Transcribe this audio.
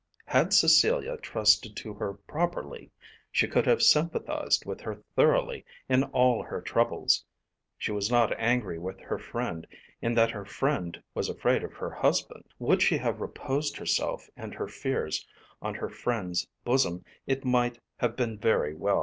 Had Cecilia trusted to her properly she could have sympathised with her thoroughly in all her troubles. She was not angry with her friend in that her friend was afraid of her husband. Would she have reposed herself and her fears on her friend's bosom it might have been very well.